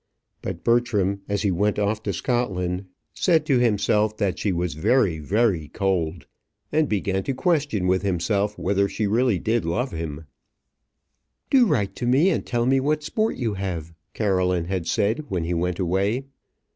But Bertram, as he went off to Scotland, said to himself that she was very, very cold, and began to question with himself whether she did really love him. "Do write to me, and tell me what sport you have," Caroline had said when he went away.